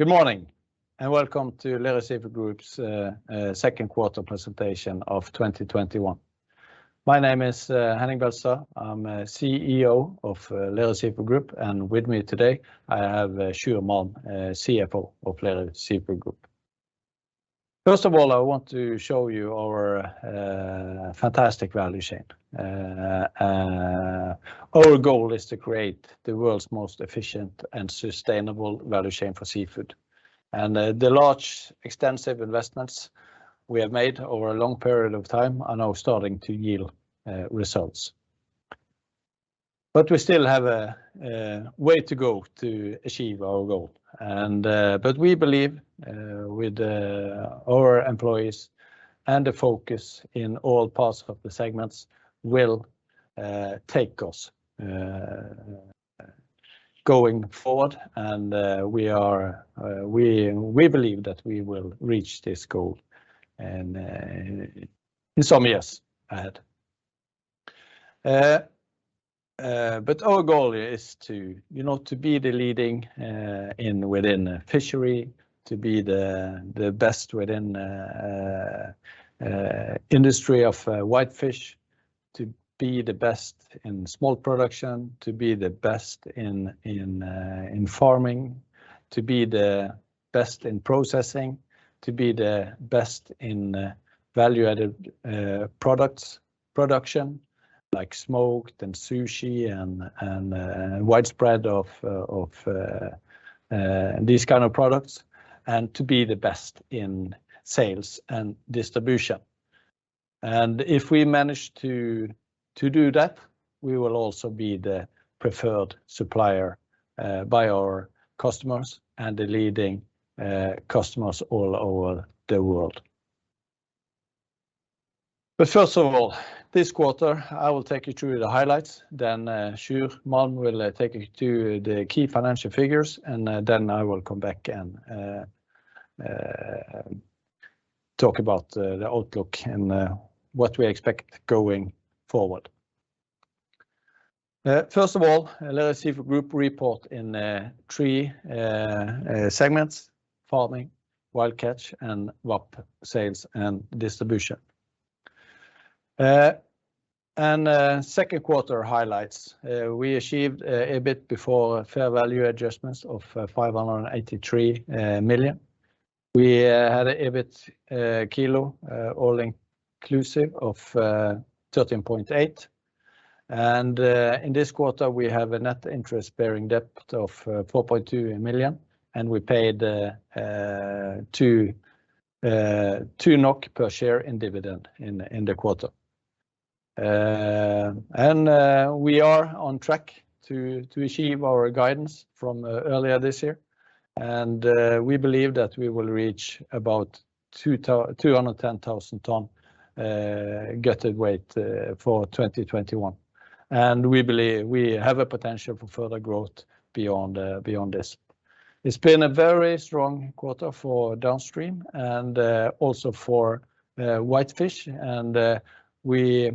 Good morning, and welcome to Lerøy Seafood Group's second quarter presentation of 2021. My name is Henning Beltestad. I'm CEO of Lerøy Seafood Group, and with me today, I have Sjur Malm, CFO of Lerøy Seafood Group. First of all, I want to show you our fantastic value chain. Our goal is to create the world's most efficient and sustainable value chain for seafood. The large, extensive investments we have made over a long period of time are now starting to yield results. We still have a way to go to achieve our goal. We believe with our employees and the focus in all parts of the segments will take us going forward, and we believe that we will reach this goal in some years ahead. Our goal is to be the leading within fishery, to be the best within industry of whitefish, to be the best in smolt production, to be the best in farming, to be the best in processing, to be the best in value-added products production, like smoked and sushi and widespread of these kind of products, and to be the best in sales and distribution. If we manage to do that, we will also be the preferred supplier by our customers and the leading customers all over the world. This quarter, I will take you through the highlights, then Sjur Malm will take you to the key financial figures, and then I will come back and talk about the outlook and what we expect going forward. Lerøy Seafood Group report in three segments, Farming, Wild Catch, and VAP, Sales and Distribution. Second quarter highlights. We achieved EBIT before fair value adjustments of 583 million. We had an EBIT kilo, all inclusive, of 13.8. In this quarter, we have a net interest-bearing debt of 4.2 million, and we paid 2 NOK per share in dividend in the quarter. We are on track to achieve our guidance from earlier this year. We believe that we will reach about 210,000 ton gutted weight for 2021. We believe we have a potential for further growth beyond this. It's been a very strong quarter for downstream and also for whitefish, and we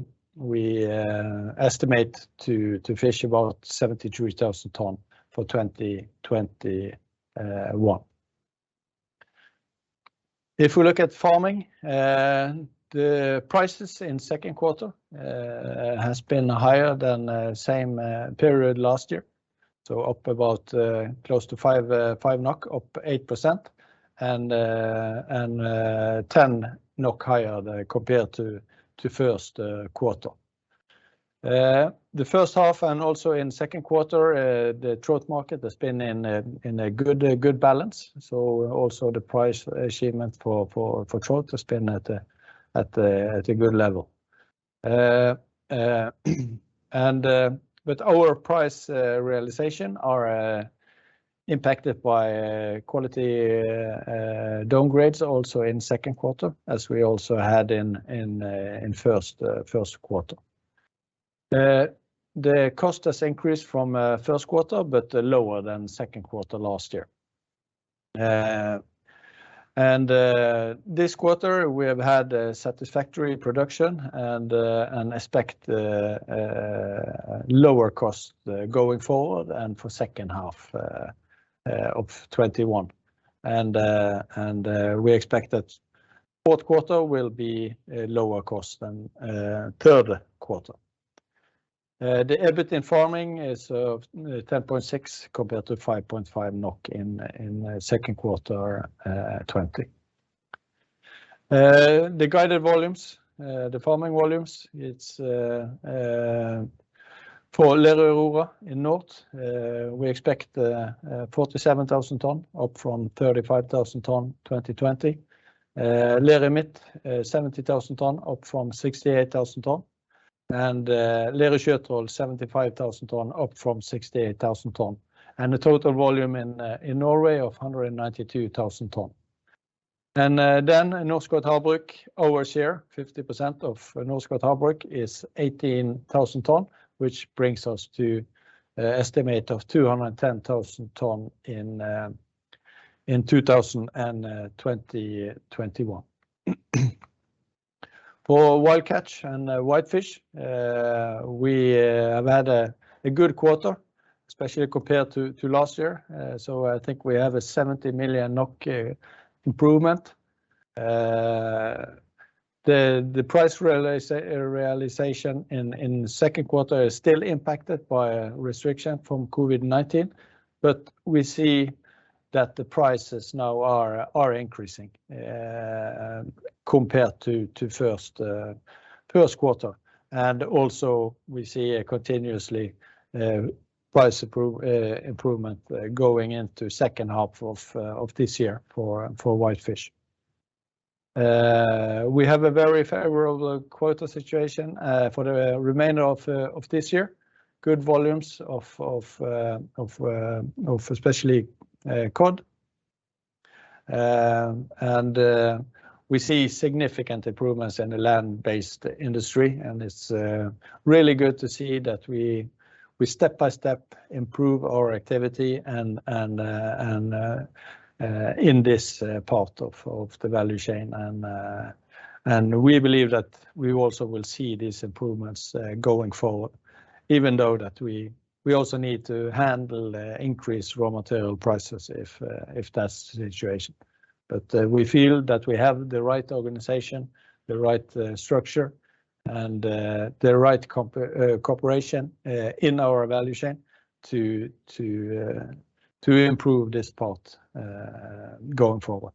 estimate to fish about 72,000 ton for 2021. If we look at farming, the prices in second quarter has been higher than same period last year. Up about close to 5, up 8%, and 10 NOK higher compared to first quarter. The first half and also in second quarter, the trout market has been in a good balance. Also the price achievement for trout has been at a good level. Our price realization are impacted by quality downgrades also in second quarter, as we also had in first quarter. The cost has increased from first quarter, but lower than second quarter last year. This quarter, we have had a satisfactory production and expect lower cost going forward and for second half of 2021. We expect that fourth quarter will be a lower cost than third quarter. The EBIT in farming is 10.6 compared to 5.5 NOK in second quarter 2020. The guided volumes, the farming volumes, it's for Lerøy Aurora in north. We expect 47,000 ton up from 35,000 ton 2020. Lerøy Midt, 70,000 ton up from 68,000 ton. Lerøy Sjøtroll 75,000 ton up from 68,000 ton. The total volume in Norway of 192,000 ton. Norskott Havbruk, our share, 50% of Norskott Havbruk is 18,000 ton, which brings us to estimate of 210,000 ton in 2021. For wild catch and whitefish, we have had a good quarter, especially compared to last year. I think we have a 70 million NOK improvement. The price realization in the second quarter is still impacted by a restriction from COVID-19, but we see that the prices now are increasing compared to first quarter. We see a continuously price improvement going into second half of this year for whitefish. We have a very favorable quota situation for the remainder of this year. Good volumes of especially cod. We see significant improvements in the land-based industry and it's really good to see that we step by step improve our activity in this part of the value chain. We believe that we also will see these improvements going forward, even though that we also need to handle increased raw material prices if that's the situation. We feel that we have the right organization, the right structure, and the right cooperation in our value chain to improve this part going forward.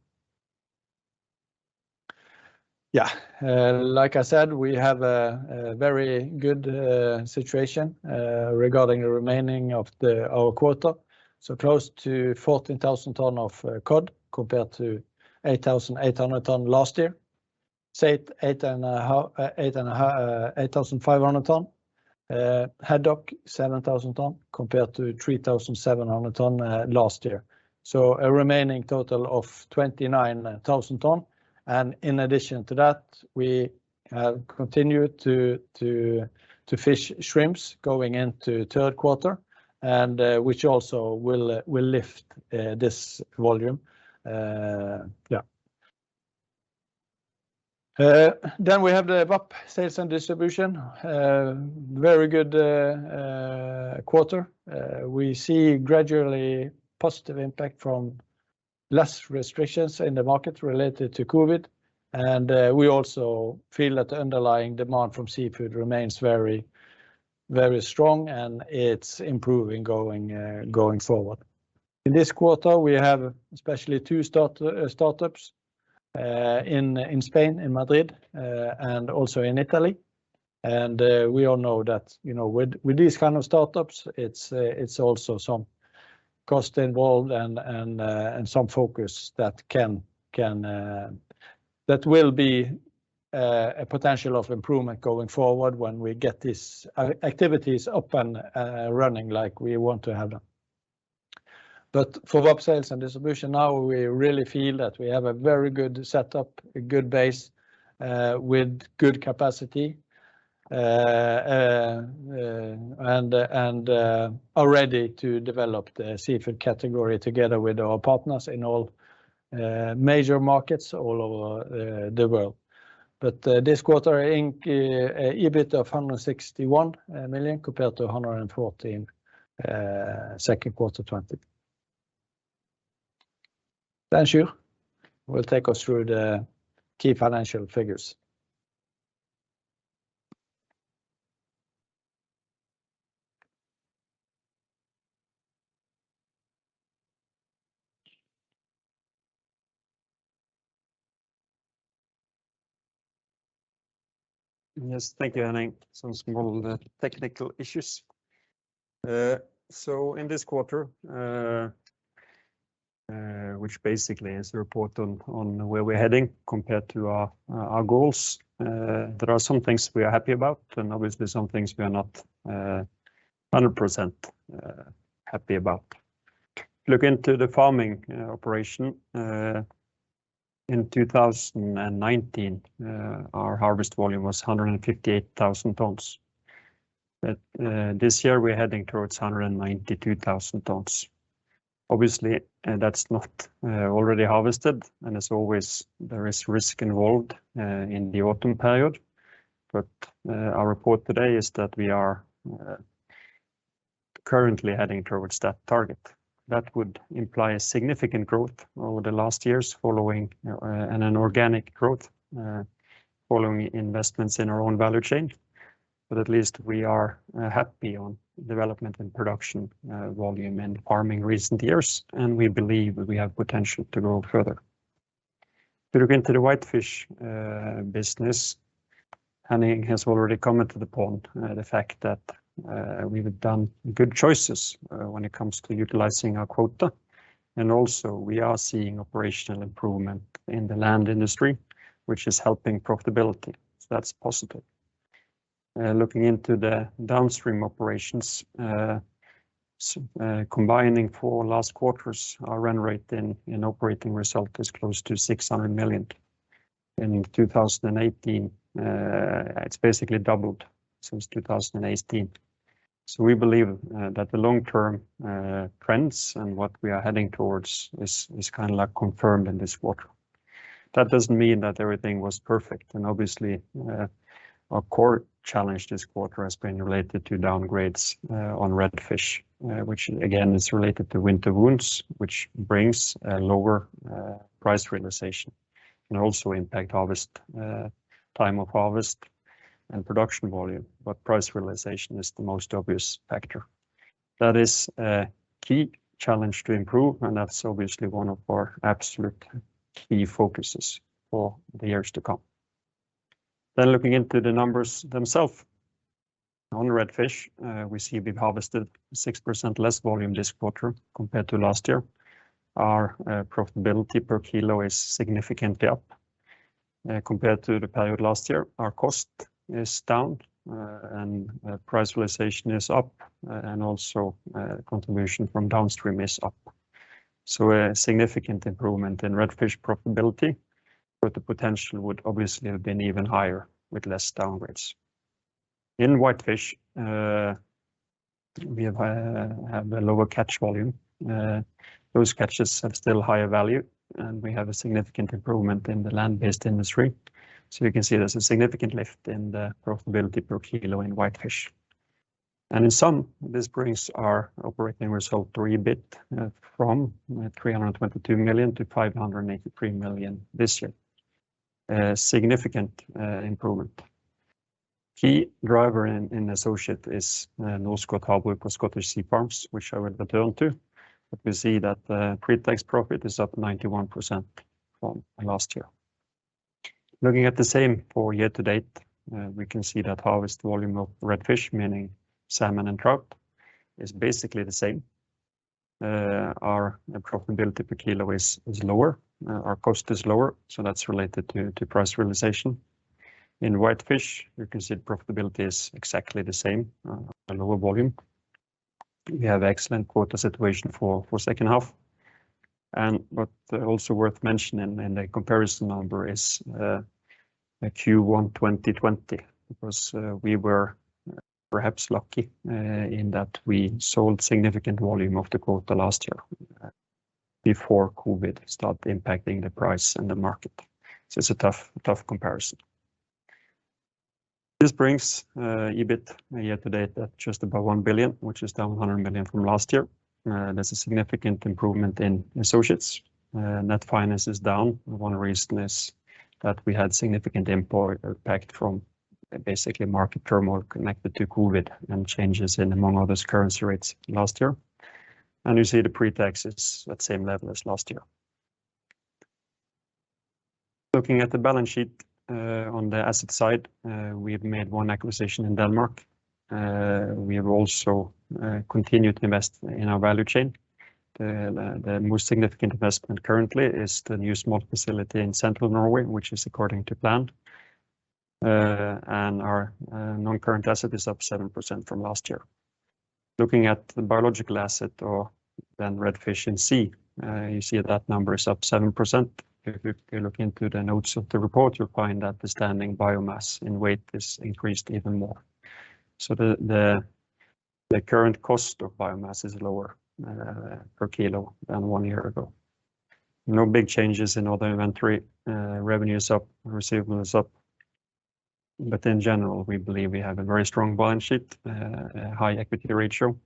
Like I said, we have a very good situation regarding the remaining of our quota, so close to 14,000 ton of cod compared to 8,800 ton last year. Say 8,500 ton. Haddock 7,000 ton compared to 3,700 ton last year. A remaining total of 29,000 ton. In addition to that, we have continued to fish shrimps going into third quarter and which also will lift this volume. We have the VAP, Sales and Distribution. Very good quarter. We see gradually positive impact from less restrictions in the market related to COVID-19. We also feel that underlying demand from seafood remains very strong and it's improving going forward. In this quarter, we have especially two startups in Spain, in Madrid, and also in Italy. We all know that with these kind of startups, it's also some cost involved and some focus that will be a potential of improvement going forward when we get these activities up and running like we want to have them. For VAP, Sales and Distribution now we really feel that we have a very good setup, a good base with good capacity, and are ready to develop the seafood category together with our partners in all major markets all over the world. This quarter, EBIT of 161 million compared to 114 second quarter 2020. Sjur will take us through the key financial figures. Yes, thank you, Henning. Some small technical issues. In this quarter, which basically is a report on where we're heading compared to our goals, there are some things we are happy about and obviously some things we are not 100% happy about. Look into the farming operation. In 2019, our harvest volume was 158,000 tons. This year we're heading towards 192,000 tons. Obviously, that's not already harvested and as always, there is risk involved in the autumn period. Our report today is that we are currently heading towards that target. That would imply a significant growth over the last years, and an organic growth following investments in our own value chain. At least we are happy on development and production volume and farming recent years, and we believe we have potential to grow further. To look into the whitefish business, Henning has already commented upon the fact that we've done good choices when it comes to utilizing our quota. Also we are seeing operational improvement in the land industry, which is helping profitability. That's positive. Looking into the downstream operations, combining four last quarters, our run rate in operating result is close to 600 million. It's basically doubled since 2018. We believe that the long-term trends and what we are heading towards is confirmed in this quarter. That doesn't mean that everything was perfect, and obviously our core challenge this quarter has been related to downgrades on red fish, which again is related to winter wounds, which brings a lower price realization and also impact time of harvest and production volume. Price realization is the most obvious factor. That is a key challenge to improve, and that's obviously one of our absolute key focuses for the years to come. Looking into the numbers themselves. On red fish, we see we've harvested 6% less volume this quarter compared to last year. Our profitability per kilo is significantly up compared to the period last year. Our cost is down and price realization is up, and also contribution from downstream is up. A significant improvement in red fish profitability, but the potential would obviously have been even higher with less downgrades. In whitefish, we have a lower catch volume. Those catches have still higher value, and we have a significant improvement in the land-based industry. You can see there's a significant lift in the profitability per kilo in whitefish. In sum, this brings our operating result EBIT from 322 million to 583 million this year. A significant improvement. Key driver in associate is Norskott Havbruk plus Scottish Sea Farms, which I will return to. We see that the pre-tax profit is up 91% from last year. Looking at the same for year to date, we can see that harvest volume of red fish, meaning salmon and trout, is basically the same. Our profitability per kilo is lower. Our cost is lower, so that's related to price realization. In whitefish, you can see profitability is exactly the same, a lower volume. We have excellent quota situation for second half. Also worth mentioning in the comparison number is Q1 2020, because we were perhaps lucky in that we sold significant volume of the quota last year before COVID started impacting the price and the market. It's a tough comparison. This brings EBIT year to date at just above 1 billion, which is down 100 million from last year. There's a significant improvement in associates. Net finance is down. One reason is that we had significant impact from basically market turmoil connected to COVID and changes in, among others, currency rates last year. You see the pre-tax is at same level as last year. Looking at the balance sheet. On the asset side, we have made one acquisition in Denmark. We have also continued to invest in our value chain. The most significant investment currently is the new smolt facility in Central Norway, which is according to plan. Our non-current asset is up 7% from last year. Looking at the biological asset or then red fish in C, you see that number is up 7%. If you look into the notes of the report, you'll find that the standing biomass and weight is increased even more. The current cost of biomass is lower per kilo than one year ago. No big changes in other inventory. Revenue is up, receivable is up. In general, we believe we have a very strong balance sheet, a high equity ratio,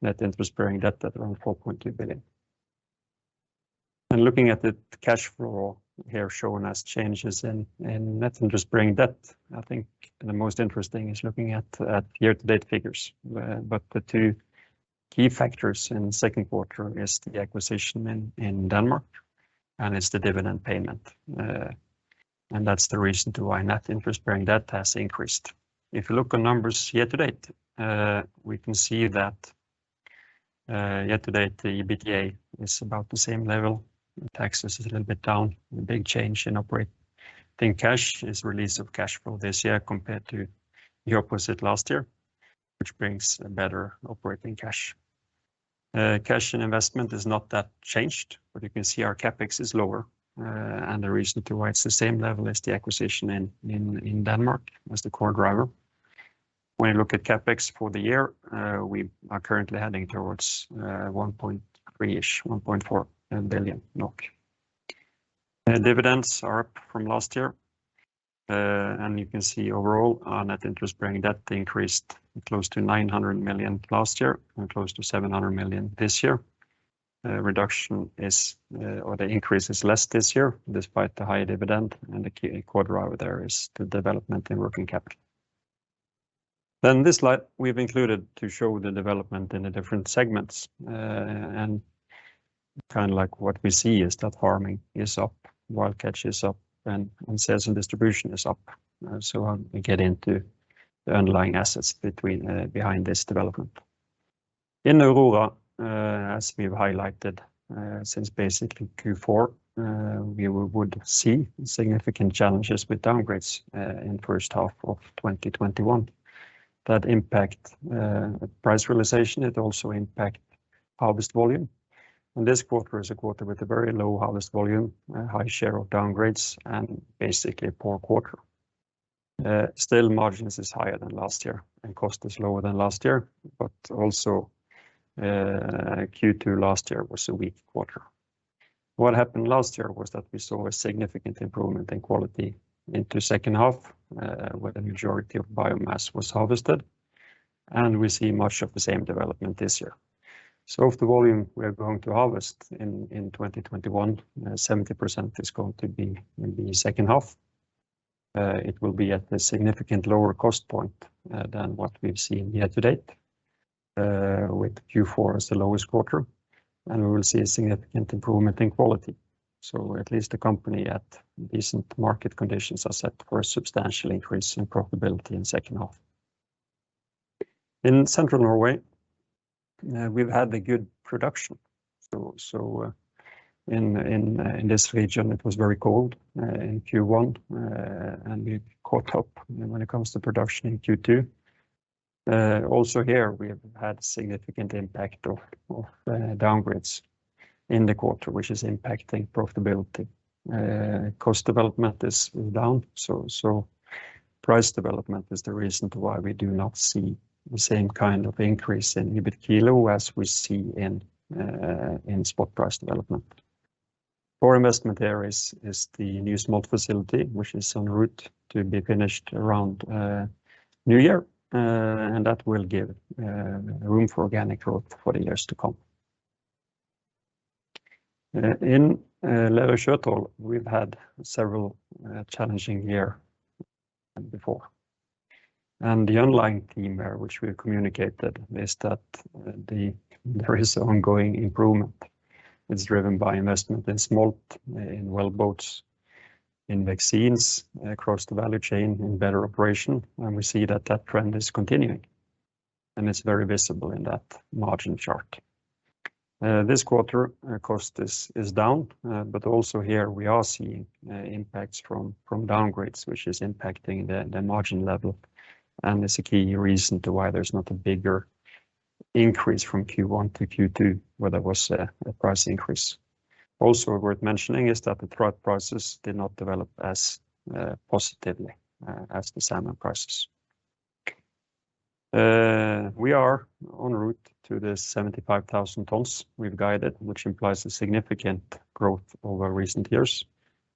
net interest-bearing debt at around 4.2 billion. Looking at the cash flow here shown as changes in net interest-bearing debt. I think the most interesting is looking at year-to-date figures. The two key factors in the second quarter is the acquisition in Denmark and it's the dividend payment. That's the reason to why net interest-bearing debt has increased. If you look on numbers year to date, we can see that year to date, the EBITDA is about the same level. Tax is a little bit down. The big change in operating cash is release of cash flow this year compared to the opposite last year, which brings a better operating cash. Cash and investment is not that changed, but you can see our CapEx is lower. The reason to why it's the same level is the acquisition in Denmark as the core driver. When you look at CapEx for the year, we are currently heading towards 1.3-ish billion, 1.4 billion NOK. Dividends are up from last year. You can see overall our net interest bearing debt increased close to 900 million last year and close to 700 million this year. The increase is less this year despite the higher dividend and the key quarter over there is the development in working capital. This slide we've included to show the development in the different segments. What we see is that farming is up, wild catch is up, and Sales and Distribution is up. We get into the underlying assets behind this development. In Aurora, as we've highlighted, since basically Q4, we would see significant challenges with downgrades in first half of 2021. That impact price realization, it also impact harvest volume. This quarter is a quarter with a very low harvest volume, a high share of downgrades, and basically a poor quarter. Still, margins is higher than last year, and cost is lower than last year, but also Q2 last year was a weak quarter. What happened last year was that we saw a significant improvement in quality into second half, where the majority of biomass was harvested, and we see much of the same development this year. Of the volume we are going to harvest in 2021, 70% is going to be in the second half. It will be at a significant lower cost point than what we've seen here to date, with Q4 as the lowest quarter, and we will see a significant improvement in quality. At least the company at decent market conditions are set for a substantial increase in profitability in second half. In Central Norway, we've had the good production. In this region, it was very cold in Q1, and we caught up when it comes to production in Q2. Also here, we have had significant impact of downgrades in the quarter, which is impacting profitability. Cost development is down, so price development is the reason why we do not see the same kind of increase in EBIT kilo as we see in spot price development. Our investment there is the new smolt facility, which is en route to be finished around New Year. That will give room for organic growth for the years to come. In Lerøy Sjøtroll, we've had several challenging year before. The underlying theme there, which we have communicated, is that there is ongoing improvement that's driven by investment in smolt, in wellboats, in [vaccines] across the value chain, in better operation, and we see that that trend is continuing, and it's very visible in that margin chart. This quarter, our cost is down. Also here, we are seeing impacts from downgrades, which is impacting the margin level and is a key reason to why there's not a bigger increase from Q1 to Q2, where there was a price increase. Also worth mentioning is that the trout prices did not develop as positively as the salmon prices. We are en route to the 75,000 tonnes we've guided, which implies a significant growth over recent years,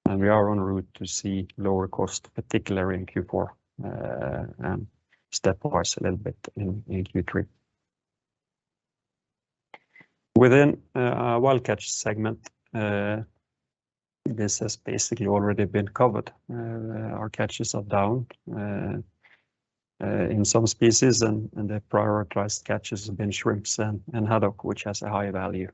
and we are en route to see lower cost, particularly in Q4, and step upwards a little bit in Q3. Within our wild catch segment, this has basically already been covered. Our catches are down in some species and the prioritized catches have been shrimps and haddock, which has a higher value.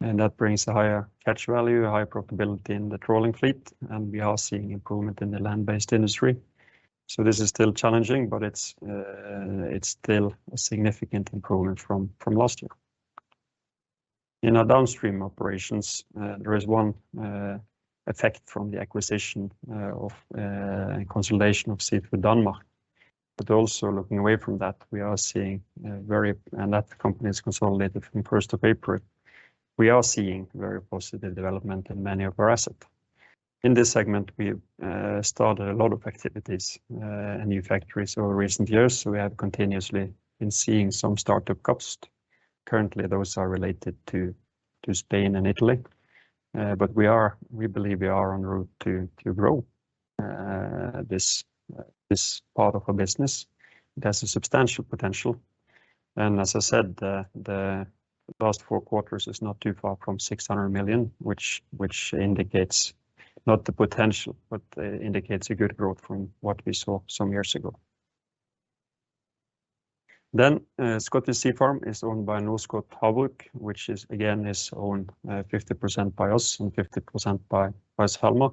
That brings a higher catch value, a higher profitability in the trawling fleet, and we are seeing improvement in the land-based industry. This is still challenging, but it's still a significant improvement from last year. In our downstream operations, there is one effect from the acquisition of and consolidation of Seafood Danmark. Also looking away from that, we are seeing and that company is consolidated from 1st of April. We are seeing very positive development in many of our assets. In this segment, we have started a lot of activities and new factories over recent years, so we have continuously been seeing some start-up costs. Currently, those are related to Spain and Italy. We believe we are en route to grow this part of our business. It has a substantial potential. As I said, the last four quarters is not too far from 600 million, which indicates not the potential, but indicates a good growth from what we saw some years ago. Scottish Sea Farms is owned by Norskott Havbruk, which is again owned 50% by us and 50% by SalMar.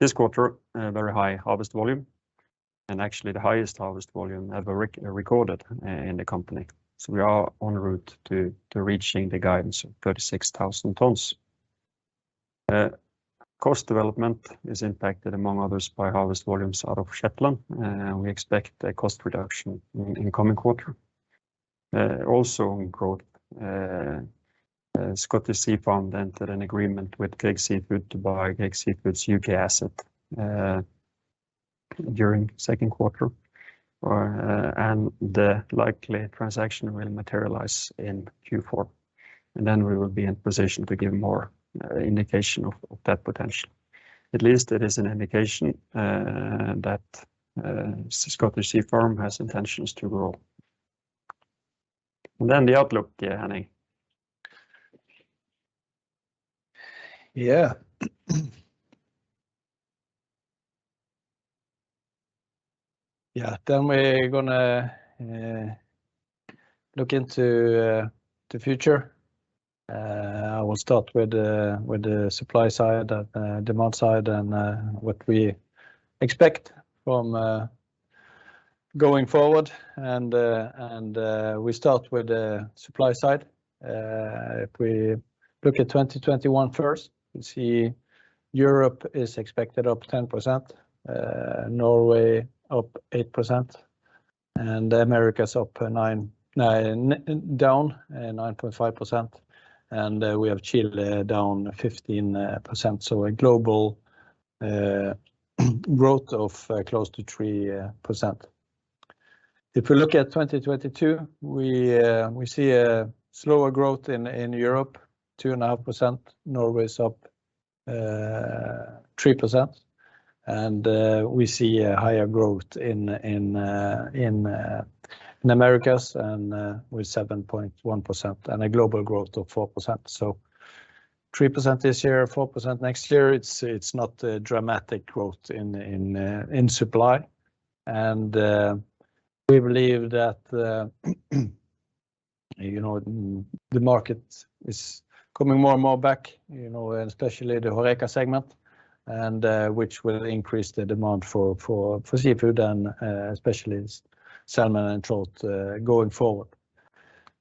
This quarter, a very high harvest volume, and actually the highest harvest volume ever recorded in the company. We are en route to reaching the guidance of 36,000 tons. Cost development is impacted, among others, by harvest volumes out of Shetland. We expect a cost reduction in coming quarter. Also in growth, Scottish Sea Farms entered an agreement with Grieg Seafood to buy Grieg Seafood's U.K. asset during second quarter. The likely transaction will materialize in Q4. Then we will be in position to give more indication of that potential. At least it is an indication that Scottish Sea Farms has intentions to grow. Then the outlook, Henning. Yeah. Yeah. We're going to look into the future. I will start with the supply side and demand side and what we expect from going forward. We start with the supply side. If we look at 2021 first, we see Europe is expected up 10%, Norway up 8%, and the Americas down 9.5%, and we have Chile down 15%. A global growth of close to 3%. If we look at 2022, we see a slower growth in Europe, 2.5%, Norway is up 3%, and we see a higher growth in the Americas with 7.1%, and a global growth of 4%. 3% this year, 4% next year. It's not a dramatic growth in supply. We believe that the market is coming more and more back, especially the HORECA segment, which will increase the demand for seafood and especially salmon and trout going forward.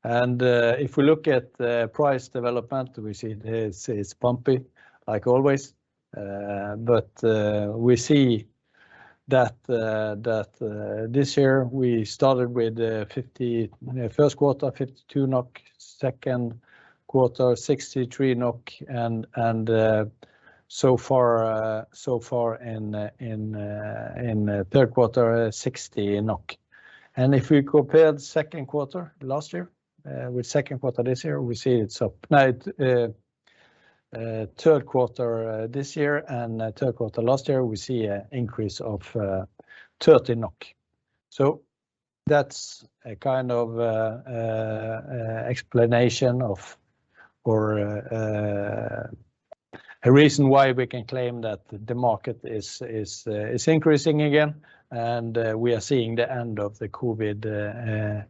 If we look at the price development, we see it's bumpy, like always. We see that this year we started with first quarter 52 NOK, second quarter 63 NOK, and so far in third quarter, 60 NOK. If we compare the second quarter last year with second quarter this year, we see third quarter this year and third quarter last year, we see an increase of 30 NOK. That's a kind of explanation of or a reason why we can claim that the market is increasing again, and we are seeing the end of the COVID-19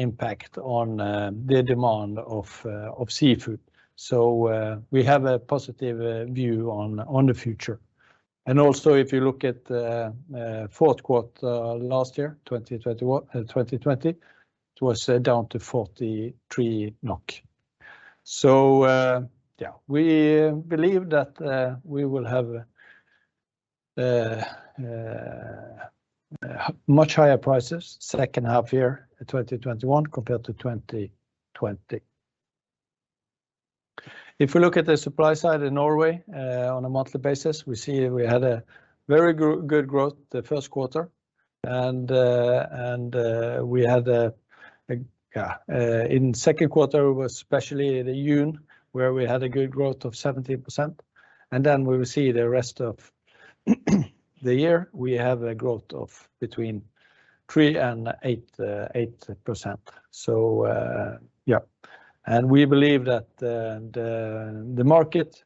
impact on the demand of seafood. We have a positive view on the future. Also if you look at the fourth quarter last year, 2020, it was down to 43 NOK. Yeah, we believe that we will have much higher prices second half year 2021 compared to 2020. If we look at the supply side in Norway, on a monthly basis, we see we had a very good growth the first quarter, and in second quarter was especially the June, where we had a good growth of 17%. Then we will see the rest of the year, we have a growth of between 3% and 8%. Yeah. We believe that the market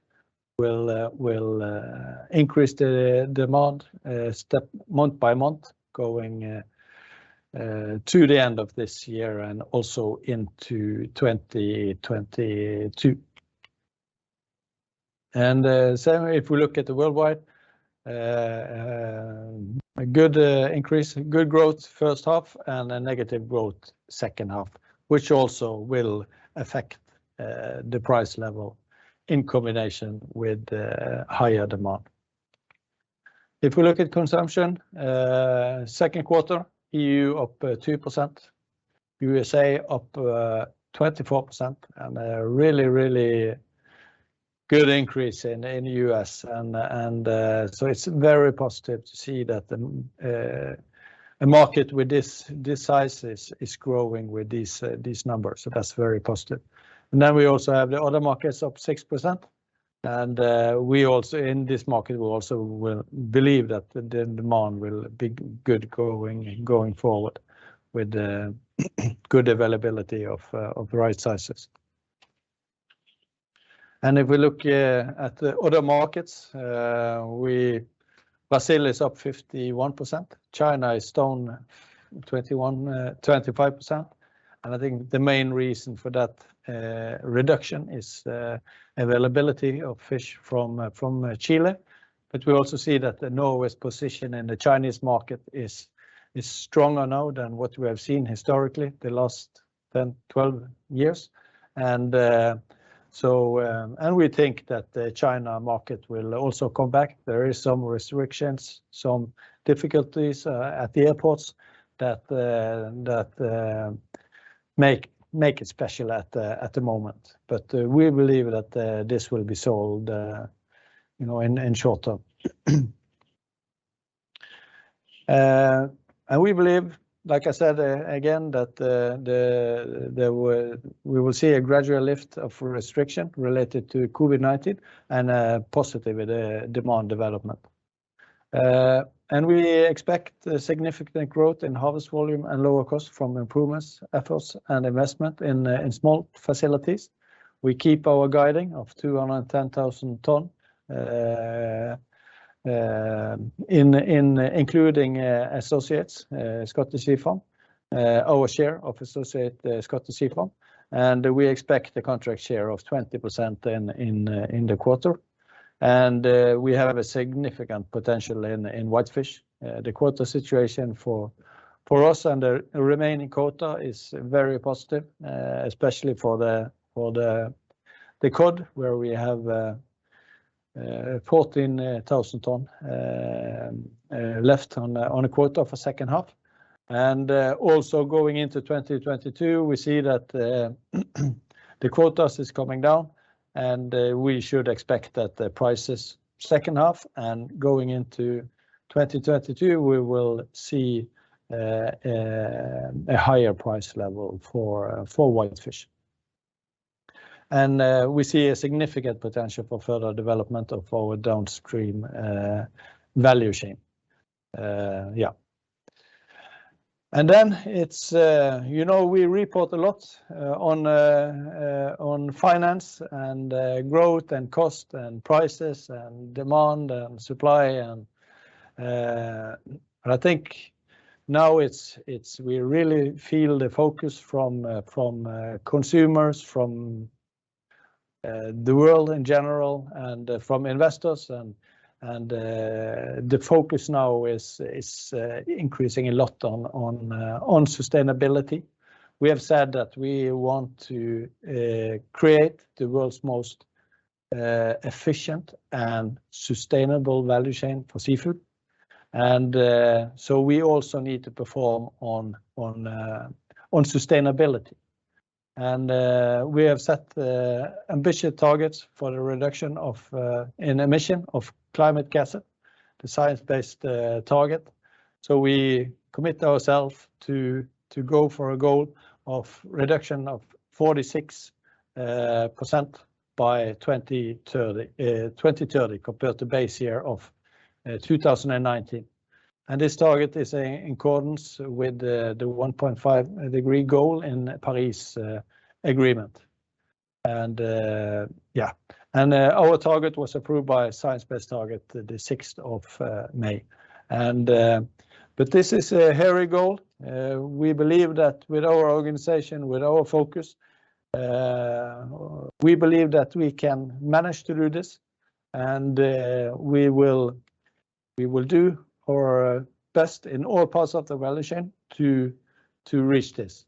will increase the demand month by month going to the end of this year and also into 2022. Same if we look at the worldwide. A good growth first half and a negative growth second half, which also will affect the price level in combination with higher demand. If we look at consumption, second quarter, EU up 2%, U.S.A. up 24%. A really good increase in U.S. It's very positive to see that a market with these sizes is growing with these numbers. That's very positive. We also have the other markets up 6%. In this market, we also believe that the demand will be good going forward with good availability of the right sizes. If we look at the other markets, Brazil is up 51%, China is down 25%. I think the main reason for that reduction is availability of fish from Chile. We also see that Norway's position in the Chinese market is stronger now than what we have seen historically the last 10, 12 years. We think that the China market will also come back. There is some restrictions, some difficulties at the airports that make it special at the moment. We believe that this will be solved in short term. We believe, like I said again, that we will see a gradual lift of restriction related to COVID-19 and a positive demand development. We expect significant growth in harvest volume and lower cost from improvements, efforts, and investment in smolt facilities. We keep our guiding of 210,000 tons, including associates, Scottish Sea Farms, our share of associate Scottish Sea Farms, and we expect a contract share of 20% in the quarter. We have a significant potential in whitefish. The quota situation for us and the remaining quota is very positive, especially for the cod where we have 14,000 tons left on a quota for second half. Also going into 2022, we see that the quotas is coming down, and we should expect that the prices second half and going into 2022, we will see a higher price level for whitefish. We see a significant potential for further development of our downstream value chain. We report a lot on finance and growth and cost and prices and demand and supply, but I think now we really feel the focus from consumers, from the world in general and from investors and the focus now is increasing a lot on sustainability. We have said that we want to create the world's most efficient and sustainable value chain for seafood. We also need to perform on sustainability. We have set ambitious targets for the reduction of an emission of climate gas, the science-based target. We commit ourselves to go for a goal of reduction of 46% by 2030 compared to base year of 2019. This target is in accordance with the 1.5 degree goal in Paris Agreement. Our target was approved by a science-based target the 6th of May. This is a hairy goal. We believe that with our organization, with our focus, we believe that we can manage to do this, and we will do our best in all parts of the value chain to reach this.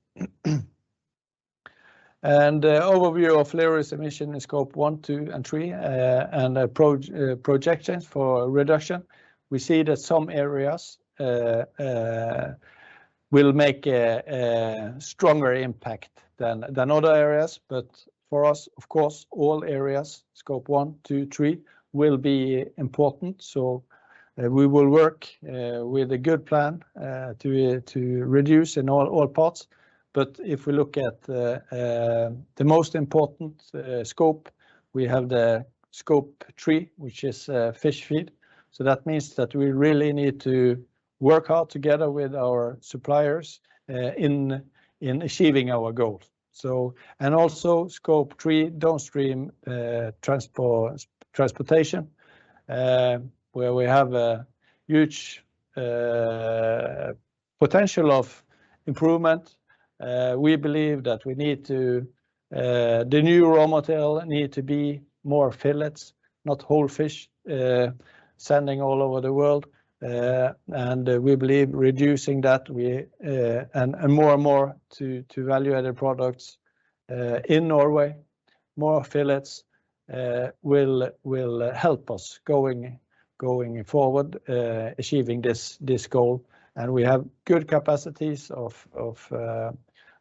Overview of Lerøy's emission in Scope 1, 2 and 3, and projections for reduction. We see that some areas will make a stronger impact than other areas. For us, of course, all areas, Scope 1, 2, 3, will be important. We will work with a good plan to reduce in all parts. If we look at the most important scope, we have the Scope 3, which is fish feed. That means that we really need to work hard together with our suppliers in achieving our goals. Also Scope 3 downstream transportation, where we have a huge potential of improvement. We believe that the new raw material need to be more fillets, not whole fish sending all over the world. We believe reducing that and more to value added products in Norway, more fillets will help us going forward achieving this goal. We have good capacities of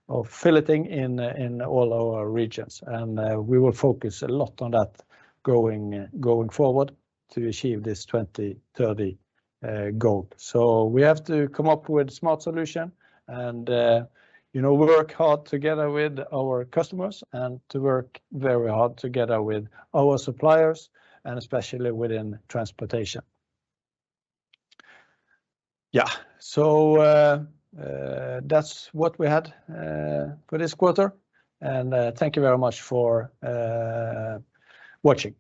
filleting in all our regions. We will focus a lot on that going forward to achieve this 2030 goal. We have to come up with smart solution and work hard together with our customers and to work very hard together with our suppliers and especially within transportation. That's what we had for this quarter and thank you very much for watching.